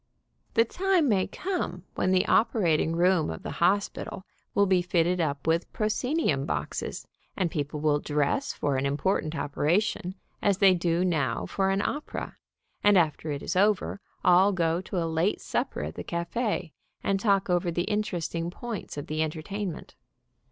The time may come when the operating room of the hospital will be fitted up with proscenium boxes, and people will dress for an important opera tion as they do now for an opera, and after it is over, all go to a late supper at the cafe and talk over the interesting points of the entertainment.